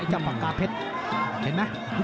จำปากกาเพชรเห็นไหม